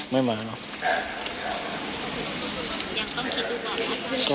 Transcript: ยังต้องคิดดูก่อนนะครับ